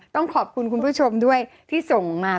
ต้องขอบคุณคุณผู้ชมด้วยที่ส่งมา